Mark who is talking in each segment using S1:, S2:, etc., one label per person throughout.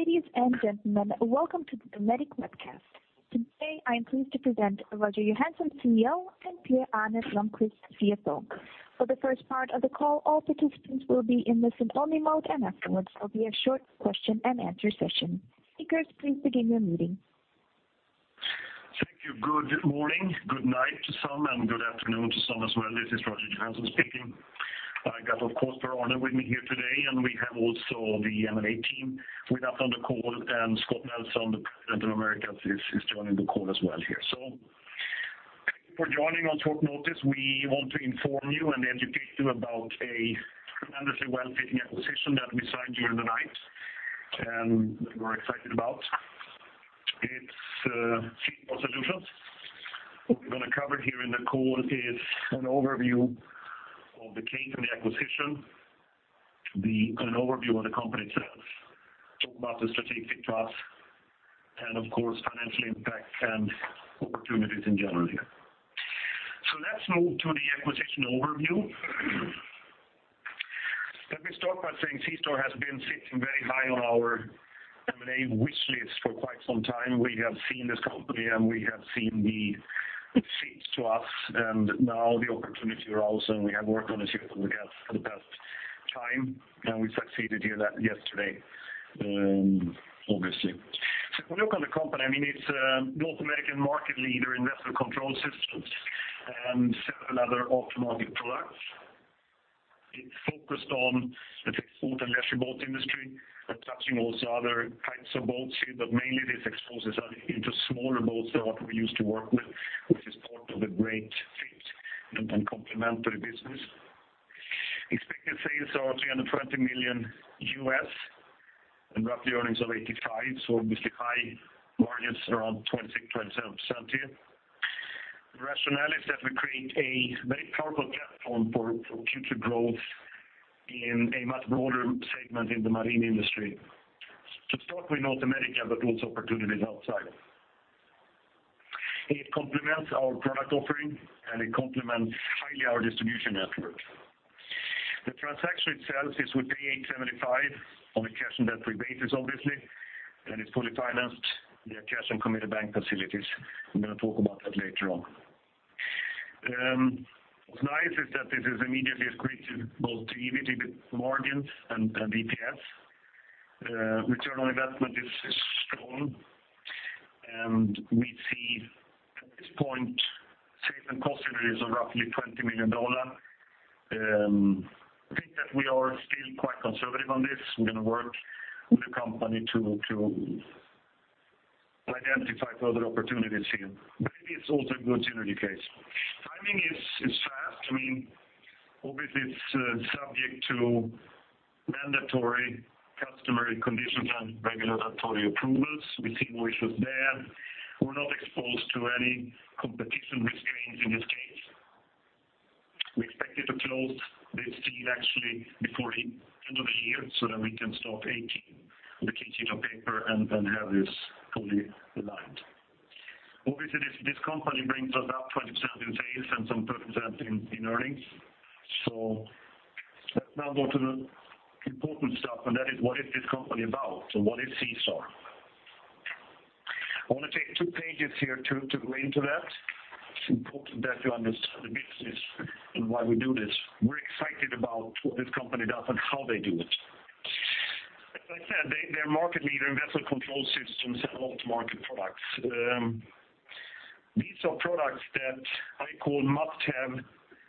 S1: Ladies and gentlemen, welcome to the Dometic webcast. Today, I am pleased to present Roger Johansson, CEO, and Per-Arne Blomquist, CFO. For the first part of the call, all participants will be in listen-only mode, and afterwards there will be a short question and answer session. Speakers, please begin your meeting.
S2: Thank you. Good morning, good night to some, and good afternoon to some as well. This is Roger Johansson speaking. I got, of course, Per-Arne with me here today, and we have also the M&A team with us on the call, and Scott Nelson, the President of Americas, is joining the call as well here. Thank you for joining on short notice. We want to inform you and educate you about a tremendously well-fitting acquisition that we signed during the night and that we're excited about. It's SeaStar Solutions. What we're going to cover here in the call is an overview of the case and the acquisition, an overview of the company itself, talk about the strategic path and, of course, financial impact and opportunities in general here. Let's move to the acquisition overview. Let me start by saying SeaStar has been sitting very high on our M&A wish list for quite some time. We have seen this company, and we have seen the fit to us, and now the opportunity arose, and we have worked on this here for the past time, and we succeeded here yesterday, obviously. If we look at the company, it's a North American market leader in vessel control systems and several other aftermarket products. It focused on the sport and leisure boat industry, but touching also other types of boats here, but mainly this exposes us into smaller boats than what we used to work with, which is part of the great fit and complementary business. Expected sales are $320 million US, and roughly earnings of $85, obviously high margins, around 26%-27% here. The rationale is that we create a very powerful platform for future growth in a much broader segment in the marine industry. To start with North America, but also opportunities outside. It complements our product offering, and it complements highly our distribution network. The transaction itself is we're paying $75 on a cash and debt-free basis, obviously, and it's fully financed via cash and committed bank facilities. I'm going to talk about that later on. What's nice is that this is immediately accretive both to EBITDA margins and EPS. Return on investment is strong, and we see, at this point, sales and cost synergies of roughly $20 million. I think that we are still quite conservative on this. We're going to work with the company to identify further opportunities here, but it is also a good synergy case. Timing is fast. It's subject to mandatory customary conditions and regulatory approvals. We see no issues there. We're not exposed to any competition risk here in this case. We expect it to close this deal actually before the end of the year, so that we can start H2 on the key sheet of paper and have this fully aligned. This company brings us up 20% in sales and some 30% in earnings. Let's now go to the important stuff, and that is what is this company about and what is SeaStar? I want to take two pages here to go into that. It's important that you understand the business and why we do this. We're excited about what this company does and how they do it. As I said, they're a market leader in vessel control systems and aftermarket products. These are products that I call must-have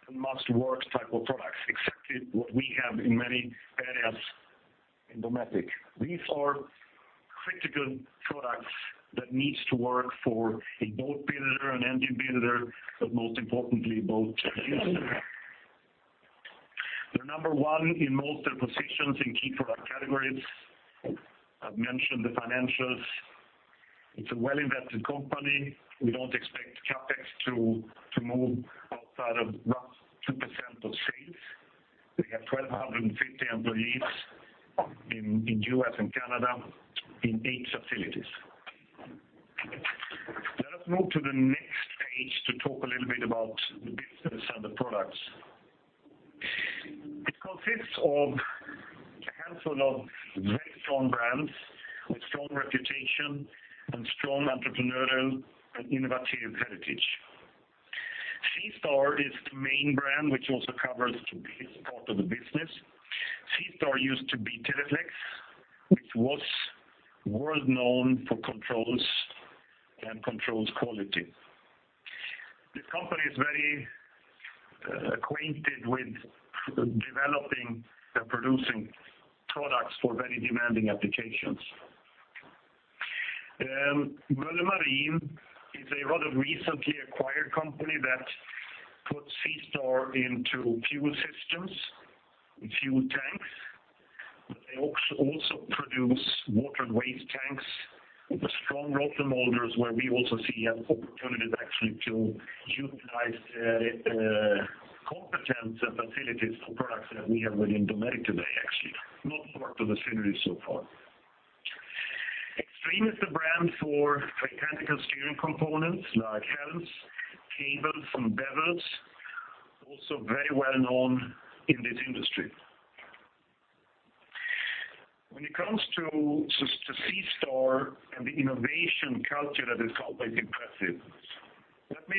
S2: and must-work type of products, exactly what we have in many areas in Dometic. These are critical products that needs to work for a boat builder, an engine builder, but most importantly, boat users. They're number one in most of the positions in key product categories. I've mentioned the financials. It's a well-invested company. We don't expect CapEx to move outside of roughly 2% of sales. They have 1,250 employees in U.S. and Canada in eight facilities. Let us move to the next page to talk a little bit about the business and the products. It consists of a handful of very strong brands with strong reputation and strong entrepreneurial and innovative heritage. SeaStar is the main brand, which also covers the biggest part of the business. SeaStar used to be Teleflex, which was world-known for controls and controls quality. This company is very acquainted with developing and producing products for very demanding applications. Moeller Marine is a rather recently acquired company that puts SeaStar into fuel systems and fuel tanks, but they also produce water and waste tanks. They're strong rotomolders, where we also see an opportunity to actually utilize their competence and facilities for products that we have within Dometic today, actually. No part of the synergy so far. Xtreme is the brand for mechanical steering components like helms, cables, and bezels. Also very well known in this industry. When it comes to SeaStar and the innovation culture that is always impressive, let me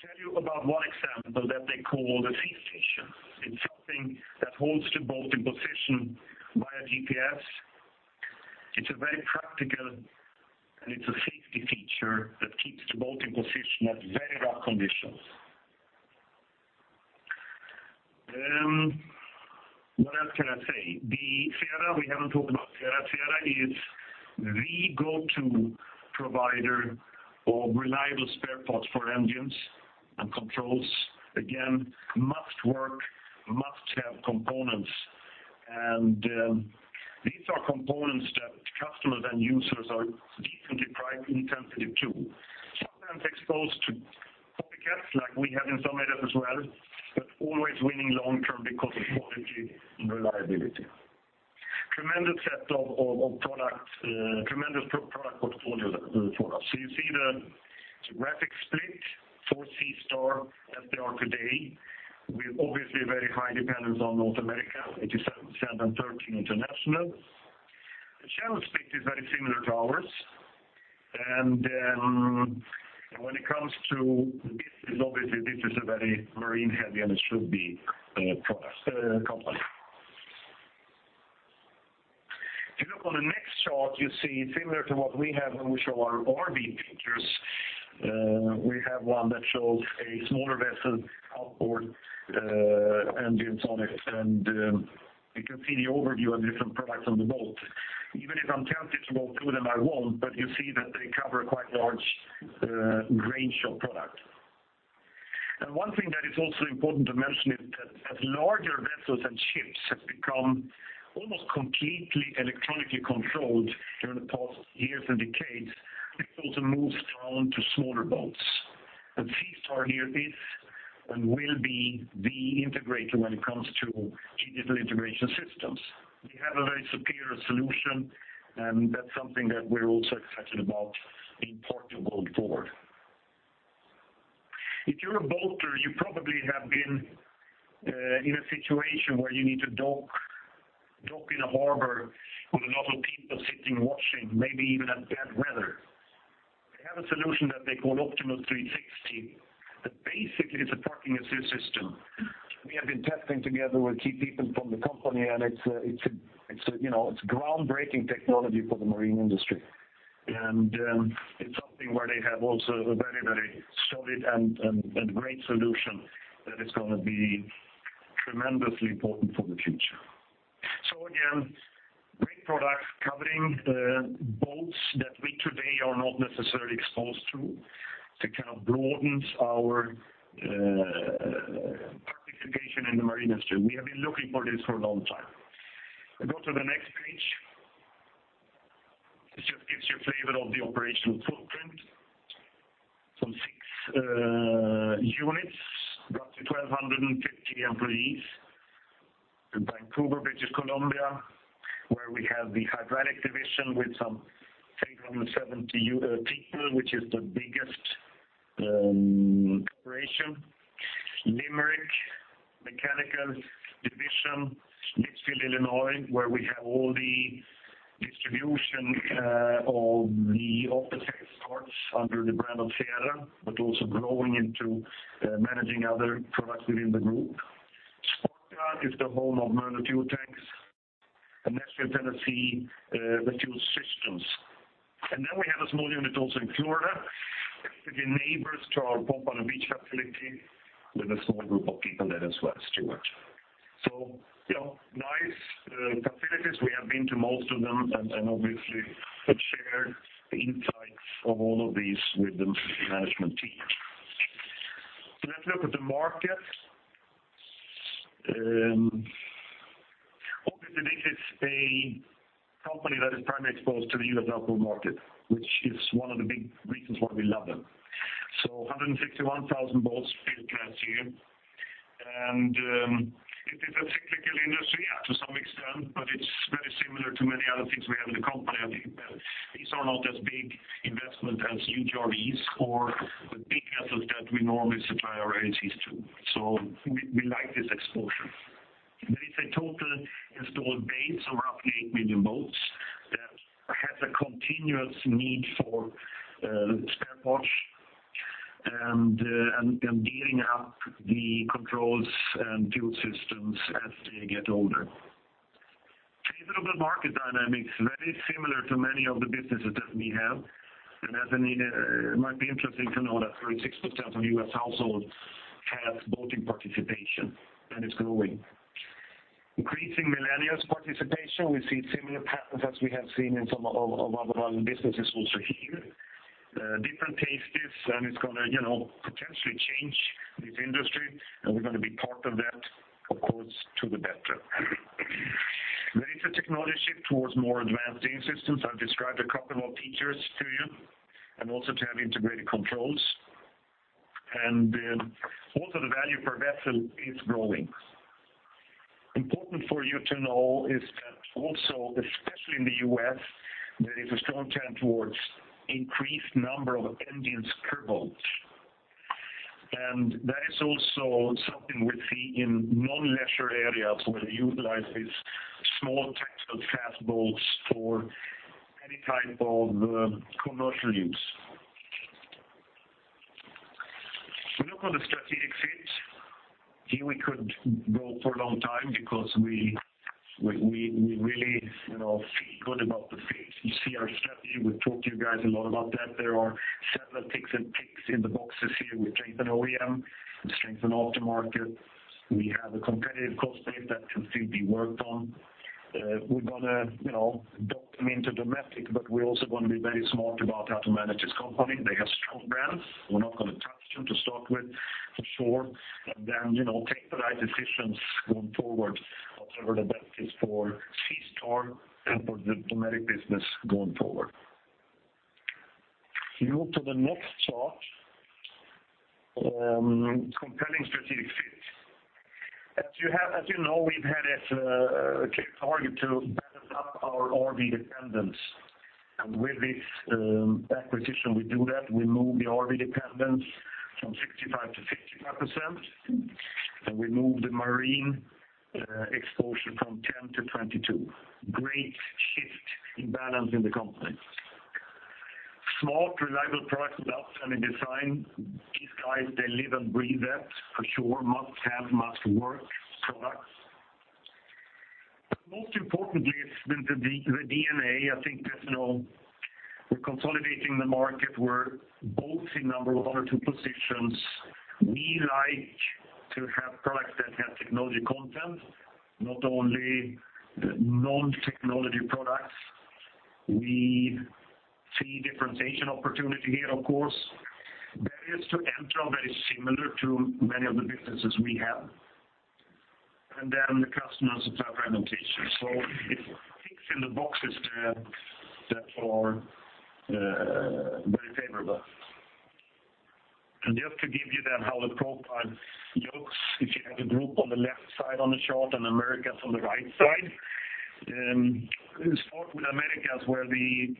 S2: tell you about one example that they call the SeaStation. It's something that holds the boat in position via GPS. It's a very practical and it's a safety feature that keeps the boat in position at very rough conditions. What else can I say? We haven't talked about Sierra. Sierra is the go-to provider of reliable spare parts for engines and controls. Again, must work, must-have components. These are components that customers and users are decently price insensitive to. Sometimes exposed to copycats like we have in some areas as well, but always winning long-term because of quality and reliability. Tremendous product portfolio for us. You see the geographic split for SeaStar as they are today, with obviously a very high dependence on North America, 87%, and 13 international. The channel split is very similar to ours. When it comes to business, obviously this is a very marine-heavy, and it should be, company. If you look on the next chart, you see similar to what we have when we show our RV pictures. We have one that shows a smaller vessel, outboard engines on it, and you can see the overview of different products on the boat. Even if I'm tempted to go through them, I won't, but you see that they cover quite large range of product. One thing that is also important to mention is that as larger vessels and ships have become almost completely electronically controlled during the past years and decades, it's also moved down to smaller boats. SeaStar here is, and will be, the integrator when it comes to digital integration systems. They have a very superior solution, and that's something that we're also excited about being part of going forward. If you're a boater, you probably have been in a situation where you need to dock in a harbor with a lot of people sitting, watching, maybe even in bad weather. They have a solution that they call Optimus 360 that basically is a parking assist system, which we have been testing together with key people from the company, it's groundbreaking technology for the marine industry. It's something where they have also a very solid and great solution that is going to be tremendously important for the future. Again, great product covering boats that we today are not necessarily exposed to. That kind of broadens our participation in the marine industry. We have been looking for this for a long time. Go to the next page. This just gives you a flavor of the operational footprint. Some six units, roughly 1,250 employees in Vancouver, British Columbia, where we have the hydraulic division with some 370 people, which is the biggest operation. Limerick, mechanical division. Litchfield, Illinois, where we have all the distribution of the off-the-shelf parts under the brand of Sierra, but also growing into managing other products within the group. Sparta is the home of marine fuel tanks and Nashville, Tennessee, the fuel systems. Then we have a small unit also in Florida, actually neighbors to our Pompano Beach facility, with a small group of people there as well, Stuart. Nice facilities. We have been to most of them and obviously shared insights of all of these with the management team. Let's look at the market. Obviously, this is a company that is primarily exposed to the U.S. outdoor market, which is one of the big reasons why we love them. 161,000 boats built last year. Is this a cyclical industry? To some extent, but it's very similar to many other things we have in the company. I think that these are not as big investment as huge RVs or the big vessels that we normally supply our agencies to. We like this exposure. There is a total installed base of roughly 8 million boats that has a continuous need for spare parts and dealing up the controls and fuel systems as they get older. A little bit of market dynamics, very similar to many of the businesses that we have. It might be interesting to know that 36% of U.S. households have boating participation, it's growing. Increasing millennials participation, we see similar patterns as we have seen in some of our other businesses also here. Different tastes it's going to potentially change this industry, we're going to be part of that, of course, to the better. There is a technology shift towards more advanced gauge systems. I've described a couple of features to you, to have integrated controls. The value per vessel is growing. Important for you to know is that also, especially in the U.S., there is a strong trend towards increased number of engine screw boats. That is also something we see in non-leisure areas where they utilize these small textile fast boats for any type of commercial use. Now for the strategic fit. Here we could go for a long time because we really feel good about the fit. You see our strategy. We've talked to you guys a lot about that. There are several ticks in the boxes here. We strengthen OEM, we strengthen aftermarket. We have a competitive cost base that can still be worked on. We're going to dock them into Dometic, but we also want to be very smart about how to manage this company. They have strong brands. We're not going to touch them to start with, for sure. Then, take the right decisions going forward, whatever the best is for SeaStar and for the Dometic business going forward. If you move to the next chart, compelling strategic fit. As you know, we've had a clear target to better up our RV dependence. With this acquisition, we do that. We move the RV dependence from 65% to 55%, and we move the marine exposure from 10% to 22%. Great shift in balance in the company. Small, reliable products without funny design. These guys, they live and breathe that for sure. Must-have, must-work products. Most importantly, it's been the DNA. I think we're consolidating the market. We're both in number 1 or 2 positions. We like to have products that have technology content, not only non-technology products. We see differentiation opportunity here, of course. Barriers to entry are very similar to many of the businesses we have. Then the customers have brand allegiance. It ticks in the boxes there that are very favorable. Just to give you then how the profile looks, if you have the group on the left side on the chart and Americas on the right side. Sport with Americas where the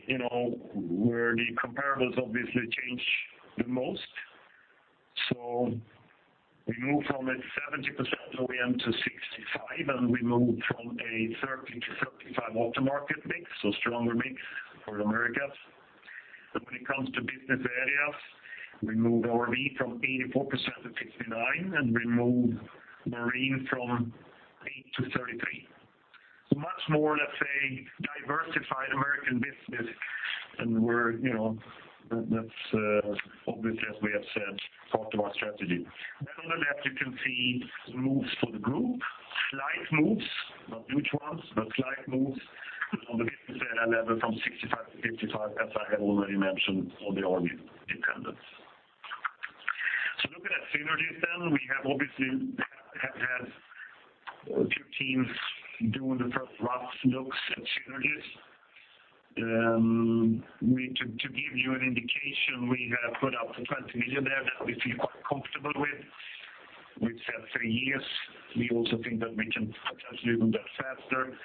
S2: comparables obviously change the most. We move from a 70% OEM to 65%, and we move from a 30% to 35% aftermarket mix, so stronger mix for Americas. When it comes to business areas, we move RV from 84% to 59%, and we move marine from 8% to 33%. Much more, let's say, diversified American business, and that's obviously, as we have said, part of our strategy. On the left, you can see moves for the group, slight moves, not huge ones, but slight moves on the business area level from 65% to 55%, as I have already mentioned on the RV dependence. Looking at synergies then, we have obviously had a few teams doing the first rough looks at synergies. To give you an indication, we have put out $20 million there that we feel quite comfortable with. We've said three years. We also think that we can potentially do that faster.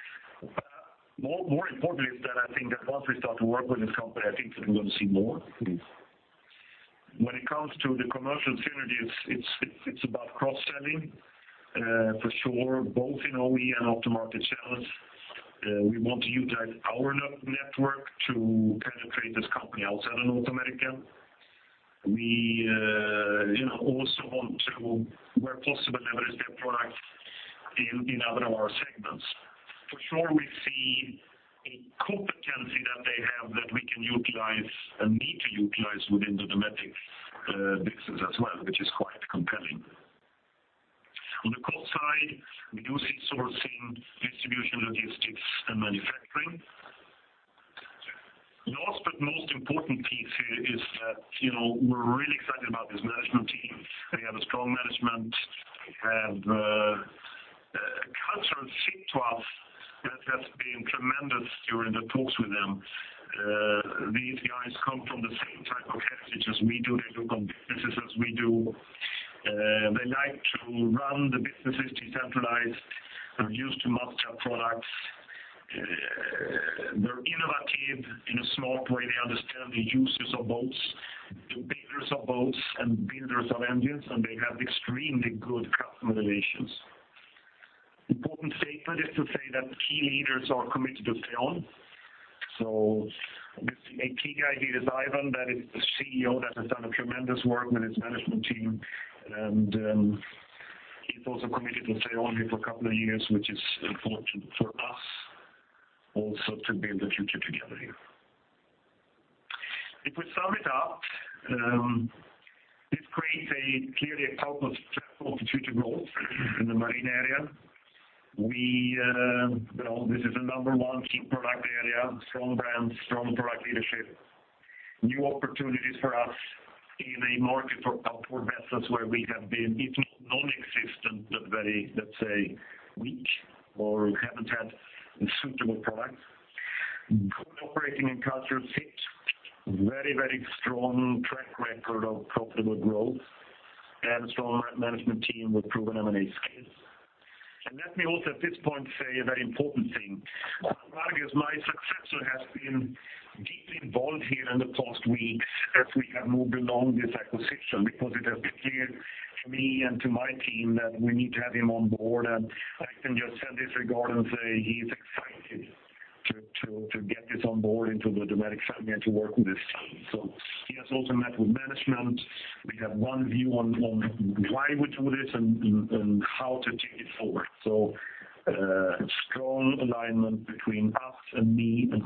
S2: More importantly is that I think that once we start to work with this company, I think that we're going to see more. When it comes to the commercial synergies, it's about cross-selling, for sure, both in OE and aftermarket channels. We want to utilize our network to penetrate this company outside of North America. We also want to, where possible, leverage their products in other of our segments. For sure, we see a competency that they have that we can utilize and need to utilize within the Dometic business as well, which is quite compelling. On the cost side, we do see sourcing, distribution, logistics, and manufacturing. Last but most important piece here is that, we're really excited about this management team. They have a strong management. They have a cultural fit to us that has been tremendous during the talks with them. These guys come from the same type of heritage as we do. They look on businesses we do. They like to run the businesses decentralized. They're used to must-have products. They're innovative in a smart way. They understand the users of boats, the builders of boats, and builders of engines, and they have extremely good customer relations. Important statement is to say that key leaders are committed to stay on. A key guy here is Yvan, that is the CEO that has done tremendous work with his management team, and he's also committed to stay on here for a couple of years, which is important for us also to build the future together here. If we sum it up, this creates a clearly a powerful platform for future growth in the marine area. This is a number one key product area, strong brands, strong product leadership. New opportunities for us in a market for power vessels where we have been, if not non-existent, but very, let's say, weak or haven't had suitable products. Good operating and cash flow fit. Very strong track record of profitable growth and a strong management team with proven M&A skills. Let me also at this point say a very important thing. Marcus, my successor, has been deeply involved here in the past weeks as we have moved along this acquisition, because it has been clear to me and to my team that we need to have him on board. I can just say in this regard, he is excited to get this on board into the Dometic family and to work with this team. He has also met with management. We have one view on why we do this and how to take it forward. Strong alignment between us and me and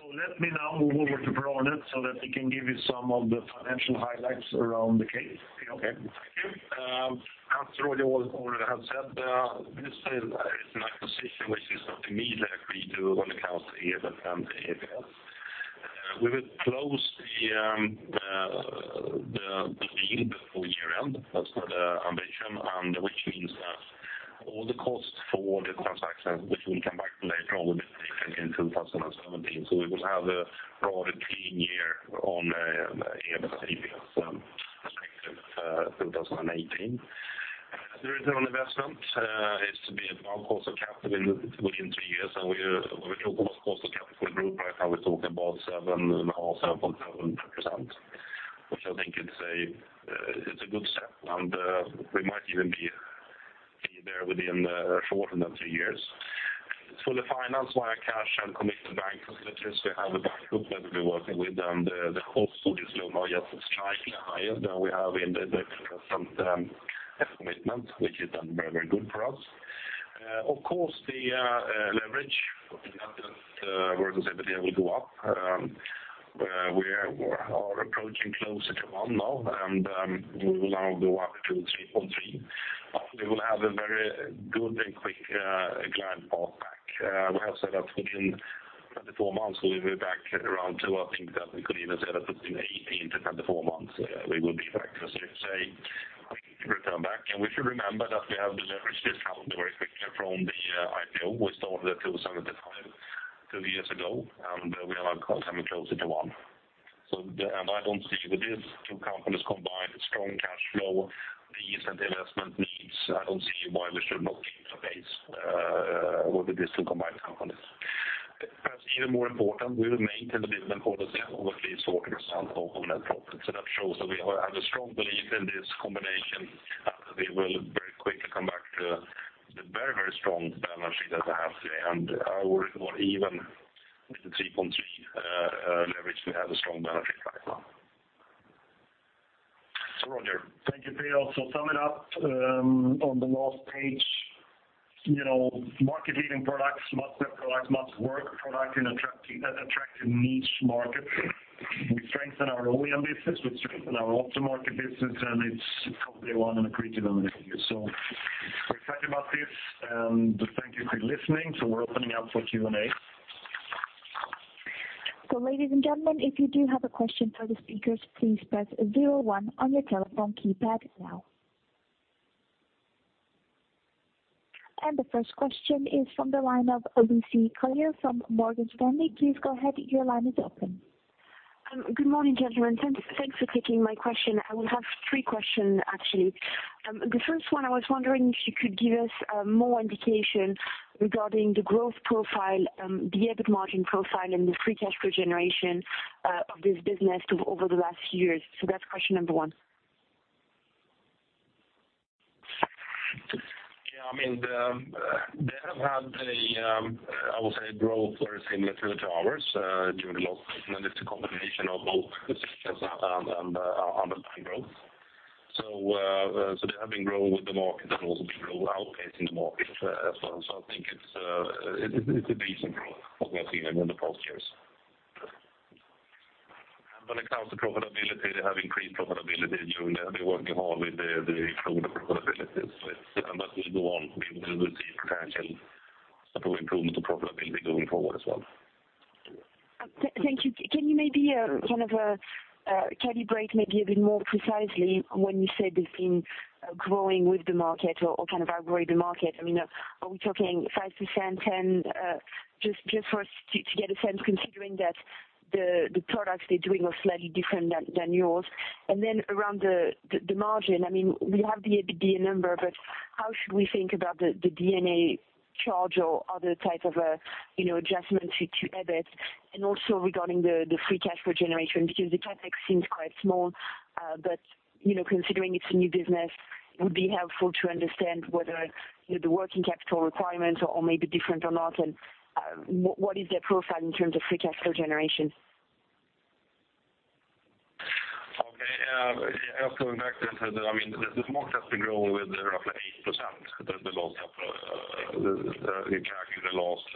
S2: funding. Let me now move over to Per-Arne so that he can give you some of the financial highlights around the case.
S3: Okay. Thank you. As Roger already has said, this is an acquisition which is immediately accretive on accounts to EBIT and EBITDA. We will close the deal before year-end. That's the ambition, and which means that all the costs for the transaction, which we'll come back to later on, will be taken in 2017. We will have a rather clean year on the EBITDA perspective 2018. The return on investment is to be above cost of capital within two years, and we talk about cost of capital group. Right now, we're talking about 7.5%, 7.7%, which I think it's a good step and we might even be there within shorter than two years. It's fully financed via cash and committed bank facilities. We have a bank group that we will be working with, and the cost of this loan are just slightly higher than we have in the current estimate, which is very good for us. Of course, the leverage, that works every year will go up, where we are approaching closer to one now, and we will now go up to 3.3. But we will have a very good and quick glide path back. We have said that within 24 months, we will be back at around two. I think that we could even say that within 18-24 months we will be back to a safe return back. And we should remember that we have deleveraged this company very quickly from the IPO. We started at 275 two years ago, and we are now coming closer to one. I don't see with these two companies combined, strong cash flow, decent investment needs, I don't see why we should not keep the pace with these two combined companies. Perhaps even more important, we will maintain the dividend policy of at least 40% of net profit. So that shows that we have a strong belief in this combination, and that we will very quickly come back to the very strong balance sheet that I have today and even with the 3.3 leverage, we have a strong balance sheet right now. Roger.
S2: Thank you, Per-Arne. Summing up, on the last page, market leading products, must have product, must work product in attractive niche market. We strengthen our OEM business, we strengthen our aftermarket business, and it's company one and accretive on M&A. We are excited about this, and thank you for listening. We are opening up for Q&A.
S1: Ladies and gentlemen, if you do have a question for the speakers, please press zero one on your telephone keypad now. And the first question is from the line of Lucie Collier from Morgan Stanley. Please go ahead. Your line is open.
S4: Good morning, gentlemen. Thanks for taking my question. I will have three questions, actually. The first one, I was wondering if you could give us more indication regarding the growth profile, the EBIT margin profile, and the free cash flow generation of this business over the last years. That's question number one.
S3: Yeah, they have had a, I will say, growth very similar to ours during the last, and it's a combination of both acquisitions and underlying growth. They have been growing with the market and also been growing outpacing the market as well. I think it's a decent growth what we have seen in the past years. When it comes to profitability, they have increased profitability during that. They're working hard with the further profitability. That will go on. We will see potential improvement of profitability going forward as well.
S4: Thank you. Can you maybe calibrate a bit more precisely when you said they've been growing with the market or outgrow the market? Are we talking 5%, 10%? Just for us to get a sense, considering that the products they're doing are slightly different than yours. Then around the margin, we have the EBITDA number, but how should we think about the D&A charge or other type of adjustment to EBIT? Also regarding the free cash flow generation, because the CapEx seems quite small. Considering it's a new business, it would be helpful to understand whether the working capital requirements are maybe different or not, and what is their profile in terms of free cash flow generation?
S3: Okay. Going back then to the market has been growing with roughly 8%, the last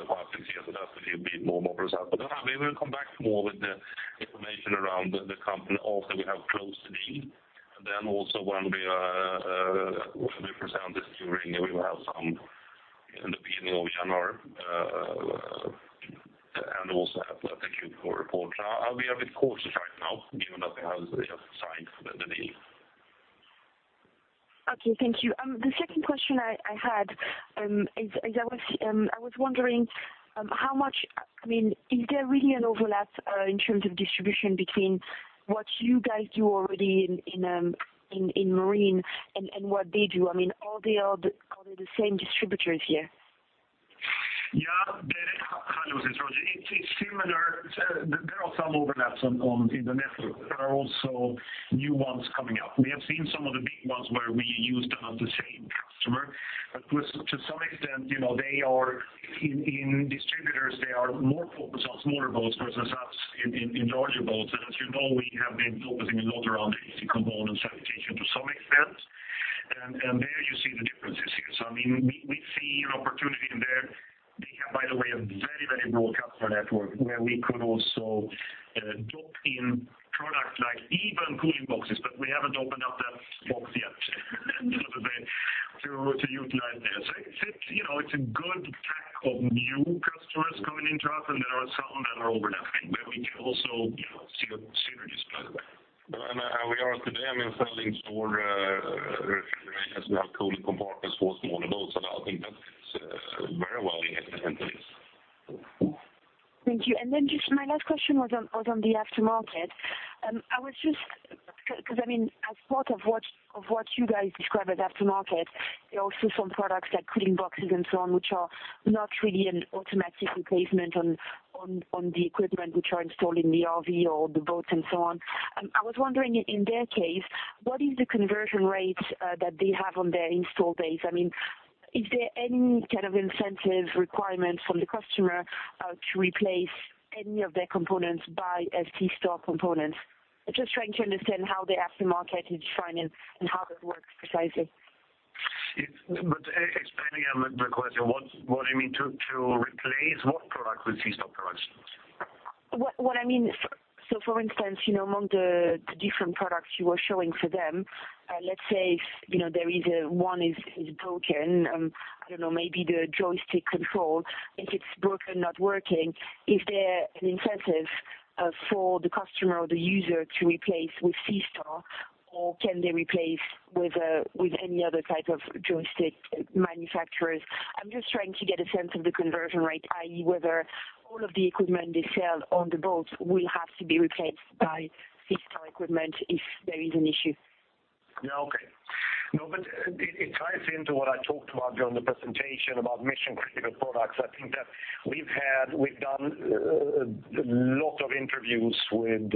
S3: five, six years. That will be more percent. We will come back more with the information around the company. Also, we have close to deal. Also when we present this during, we will have some in the beginning of January, and also have the Q4 report. We are a bit cautious right now given that we have just signed the deal
S4: Okay, thank you. The second question I had is, I was wondering, is there really an overlap in terms of distribution between what you guys do already in marine and what they do? Are they the same distributors here?
S2: Yeah. Hi, Lucie. It's Roger. It's similar. There are some overlaps in the network. There are also new ones coming up. We have seen some of the big ones where we use them as the same customer. To some extent, in distributors, they are more focused on smaller boats versus us in larger boats. As you know, we have been focusing a lot around AC components application to some extent. There you see the differences here. We see an opportunity in there. They have, by the way, a very broad customer network where we could also dock in product like even cooling boxes, we haven't opened up that box yet, a little bit, to utilize there. It's a good tack of new customers coming into us, and there are some that are overlapping, where we can also see the synergies, by the way.
S3: How we are today, selling toward refrigerators, we have cooling compartments for smaller boats, I think that fits very well in this.
S4: Thank you. Just my last question was on the aftermarket. As part of what you guys describe as aftermarket, there are also some products like cooling boxes and so on, which are not really an automatic replacement on the equipment which are installed in the RV or the boats and so on. I was wondering in their case, what is the conversion rate that they have on their install base? Is there any kind of incentive requirement from the customer to replace any of their components by SeaStar components? Just trying to understand how the aftermarket is defined and how that works precisely.
S2: Explain again the question. What do you mean, to replace what product with SeaStar products?
S4: What I mean, for instance, among the different products you were showing for them, let's say if one is broken, I don't know, maybe the joystick control. If it's broken, not working, is there an incentive for the customer or the user to replace with SeaStar, or can they replace with any other type of joystick manufacturers? I'm just trying to get a sense of the conversion rate, i.e., whether all of the equipment they sell on the boats will have to be replaced by SeaStar equipment if there is an issue.
S2: Okay. No, it ties into what I talked about during the presentation about mission-critical products. I think that we've done a lot of interviews with,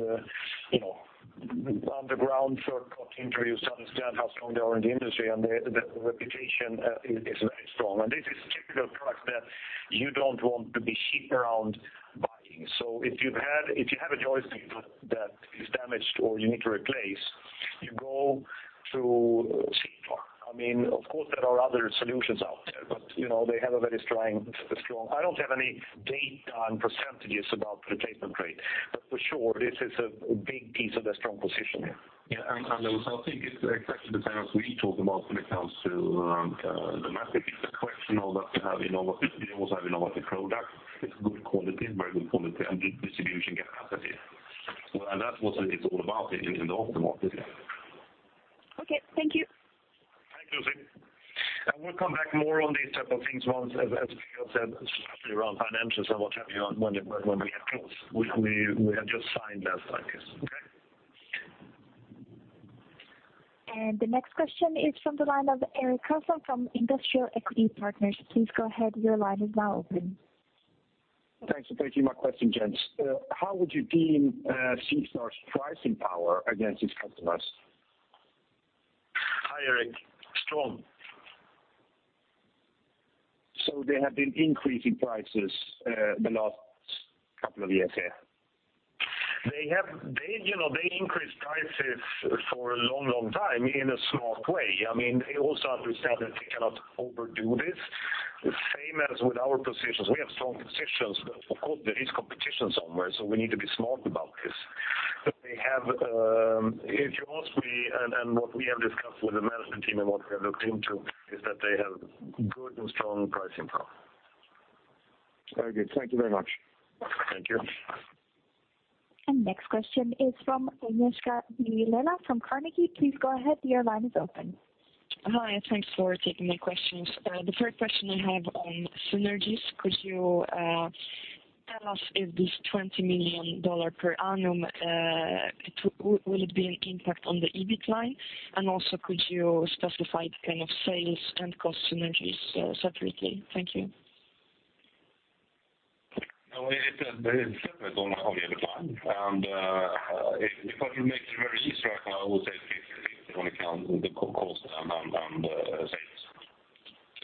S2: on the ground third-party interviews to understand how strong they are in the industry, and the reputation, I think, is very strong. This is a particular product that you don't want to be hit around buying. If you have a joystick that is damaged or you need to replace, you go to SeaStar. Of course, there are other solutions out there, but they have a very strong. I don't have any data on % about replacement rate, but for sure, this is a big piece of their strong position, yeah.
S3: Yeah, also, I think it's exactly the same as we talked about when it comes to Dometic. It's a question of us having a lot, they also having a lot of product. It's good quality and very good quality and good distribution capacity. That's what it's all about in the aftermarket.
S4: Okay. Thank you.
S2: Thanks, Lucy. We'll come back more on these type of things once, as Peder said, especially around financials and what have you, when we have closed. We have just signed that, I guess. Okay?
S1: The next question is from the line of Erik Kasa from Industrial Equity Partners. Please go ahead, your line is now open.
S5: Thanks for taking my question, gents. How would you deem SeaStar's pricing power against its customers?
S2: Hi, Erik. Strong.
S5: They have been increasing prices the last couple of years, yeah?
S2: They increased prices for a long time in a smart way. They also understand that they cannot overdo this. Same as with our positions. We have strong positions, but of course, there is competition somewhere, so we need to be smart about this. If you ask me, and what we have discussed with the management team and what we have looked into, is that they have good and strong pricing power.
S5: Very good. Thank you very much.
S2: Thank you.
S1: Next question is from Agnieszka Vilela from Carnegie. Please go ahead, your line is open.
S6: Hi. Thanks for taking my questions. The first question I have on synergies, could you tell us if this SEK 20 million per annum, will it be an impact on the EBIT line? Also could you specify the kind of sales and cost synergies separately? Thank you.
S3: No, it is a separate on the EBIT line. If I will make it very easy right now, I will say 50/50 when it comes to the cost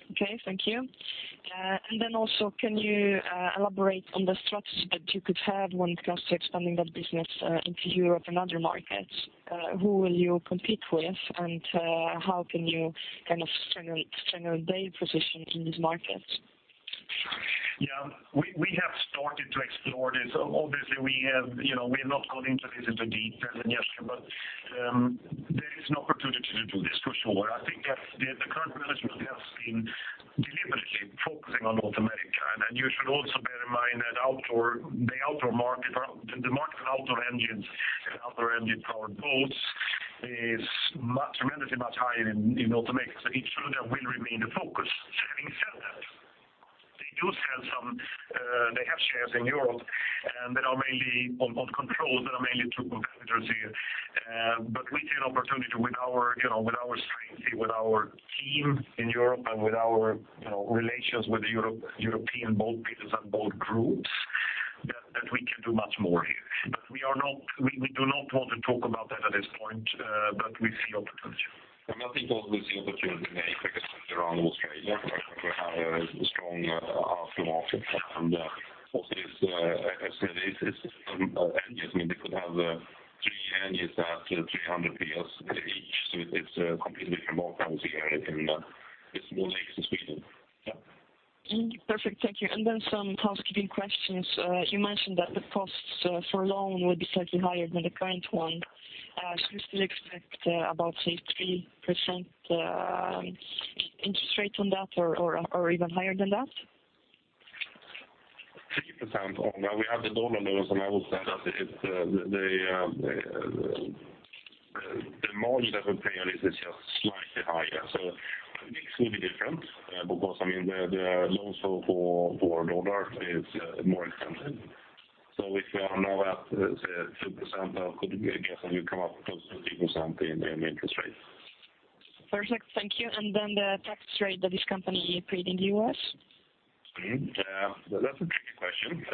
S3: and the sales.
S6: Okay. Thank you. Also, can you elaborate on the strategy that you could have when it comes to expanding that business into Europe and other markets? Who will you compete with and how can you kind of strengthen their position in these markets?
S2: Yeah. We have started to explore this. Obviously, we have not gone into this in the deep end, Agnieszka, there is an opportunity to do this, for sure. I think that the current management have seen on North America. You should also bear in mind that the market for outdoor engines and outdoor engine-powered boats is tremendously much higher in North America. Each of them will remain the focus. Having said that, they have shares in Europe that are mainly on control, that are mainly through competitors here. We see an opportunity with our strength, with our team in Europe and with our relations with the European boat builders and boat groups, that we can do much more here. We do not want to talk about that at this point, we see opportunity.
S3: I think also we see opportunity in Asia, like I said, around Australia, where we have a strong outdoor market and also it's some engines. They could have three engines at 300 PS each, it's completely different boat than we have in the small lakes in Sweden. Yeah.
S6: Perfect, thank you. Then some housekeeping questions. You mentioned that the costs for a loan would be slightly higher than the current one. You still expect about, say, 3% interest rate on that or even higher than that?
S3: 3% on that. We have the dollar loans, I would say that the margin that we pay on this is just slightly higher. I think it's going to be different because the loans for dollar is more expensive. If we are now at, let's say, 2%, I could guess that we come up close to 3% in interest rate.
S6: Perfect, thank you. The tax rate that this company paid in the U.S.?
S3: That's a tricky question.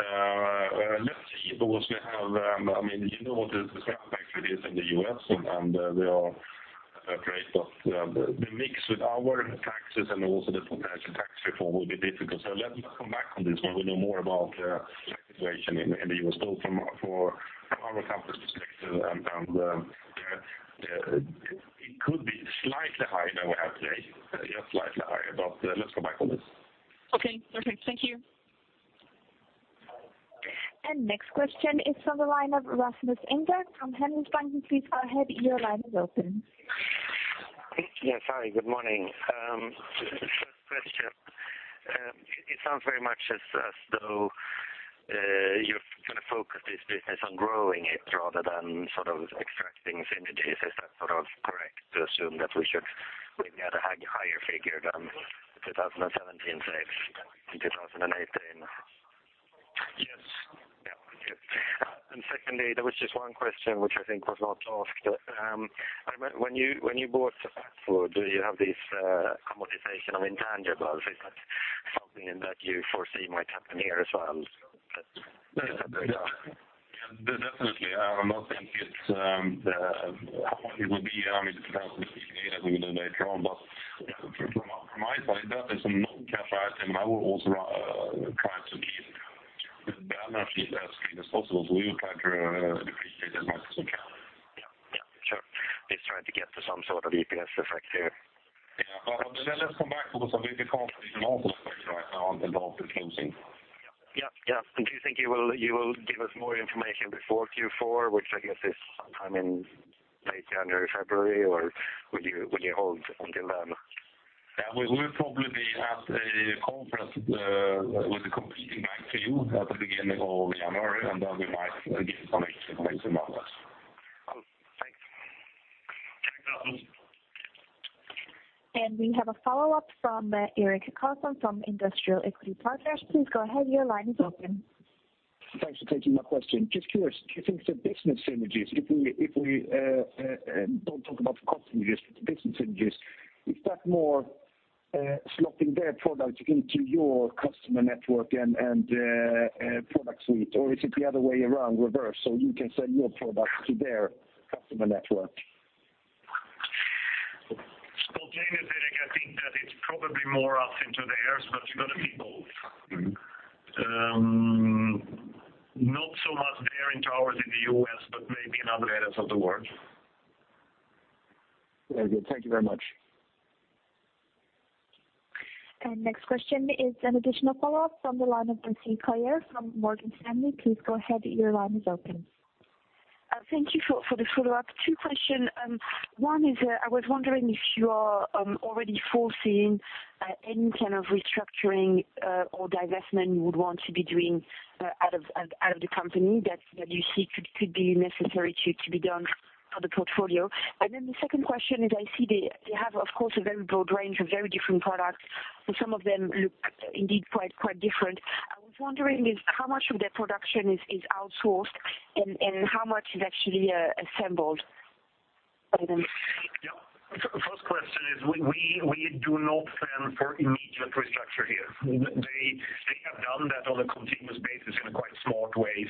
S3: Let's see, because You know what the tax rate is in the U.S., and we are afraid that the mix with our taxes and also the potential tax reform will be difficult. Let me come back on this when we know more about the tax situation in the U.S. From our company's perspective, it could be slightly higher than we have today, just slightly higher. Let's come back on this.
S6: Okay, perfect. Thank you.
S1: Next question is from the line of Rasmus Engberg from Handelsbanken. Please go ahead, your line is open.
S7: Yes, hi, good morning. First question. It sounds very much as though your focus is business on growing it rather than extracting synergies. Is that correct to assume that we should maybe add a higher figure than 2017, say, 2018?
S3: Yes.
S7: Yeah, okay. Secondly, there was just one question which I think was not asked. When you bought Safeboat, you have this amortization of intangibles. Is that something that you foresee might happen here as well?
S3: Yeah, definitely. I'm not saying how much it will be. It depends on the due diligence we will do later on. From my side, that is a non-cash item, and I will also try to keep the balance sheet as clean as possible. We will try to depreciate as much as we can.
S7: Yeah. Sure. At least trying to get to some sort of EPS effect here.
S3: Let us come back because we can't see the model effect right now on the boat building.
S7: Do you think you will give us more information before Q4, which I guess is sometime in late January, February, or would you hold until then?
S3: Yeah, we'll probably be at a conference with a complete impact to you at the beginning of January, and then we might give some information about that.
S7: Cool, thanks.
S3: Thank you, Rasmus.
S1: We have a follow-up from Erik Karlsson from Industrial Equity Partners. Please go ahead, your line is open.
S8: Thanks for taking my question. Just curious, do you think the business synergies, if we don't talk about the cost synergies, but the business synergies, is that more slopping their product into your customer network and product suite? Or is it the other way around, reverse, so you can sell your product to their customer network?
S2: Spontaneously, Erik, I think that it's probably more us into theirs, but it's going to be both. Not so much them into ours in the U.S., but maybe in other areas of the world.
S8: Very good. Thank you very much.
S1: Next question is an additional follow-up from the line of Lucie Collier from Morgan Stanley. Please go ahead, your line is open.
S4: Thank you for the follow-up. Two question. One is, I was wondering if you are already foreseeing any kind of restructuring or divestment you would want to be doing out of the company that you see could be necessary to be done for the portfolio. The second question is, I see they have, of course, a very broad range of very different products, and some of them look indeed quite different. I was wondering how much of their production is outsourced, and how much is actually assembled by them?
S2: First question is, we do not plan for immediate restructure here. They have done that on a continuous basis in a quite smart way.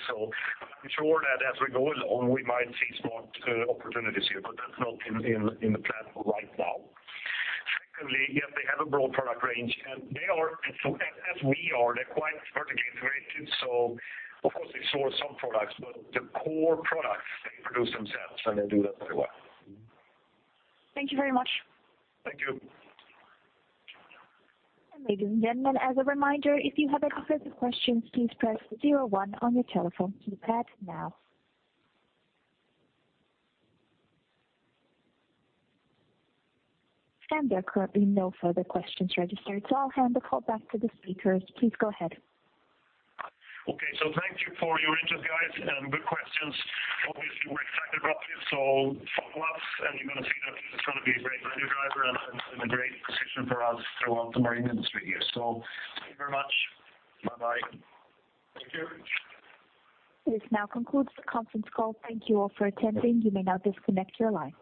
S2: I'm sure that as we go along, we might see smart opportunities here, but that's not in the plan right now. Secondly, yes, they have a broad product range, and as we are, they're quite vertically integrated, so of course they source some products, but the core products they produce themselves, and they do that very well.
S4: Thank you very much.
S2: Thank you.
S1: Ladies and gentlemen, as a reminder, if you have any further questions, please press 01 on your telephone keypad now. There are currently no further questions registered, so I'll hand the call back to the speakers. Please go ahead.
S2: Thank you for your interest, guys, and good questions. Obviously, we're excited about this. Follow up and you're going to see that this is going to be a great value driver and a great position for us throughout the marine industry here. Thank you very much. Bye-bye.
S3: Thank you.
S1: This now concludes the conference call. Thank you all for attending. You may now disconnect your lines.